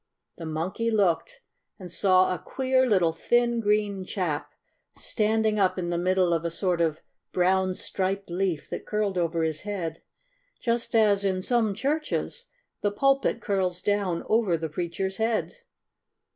The Monkey looked, and saw a queer little thin green chap, standing up in the middle of a sort of brown, striped leaf that curled over his head, just as in some churches the pulpit curls down over the preacher's head.